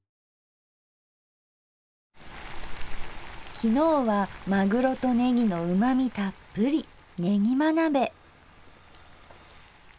昨日はマグロとネギのうまみたっぷりねぎま鍋。